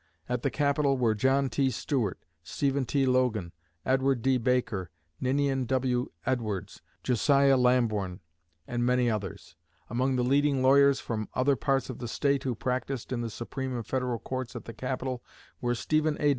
At the capital were John T. Stuart, Stephen T. Logan, Edward D. Baker, Ninian W. Edwards, Josiah Lamborn, and many others. Among the leading lawyers from other parts of the State who practiced in the Supreme and Federal Courts at the capital were Stephen A.